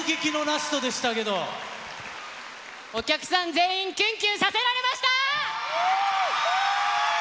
お客さん全員、キュンキュンさせられました。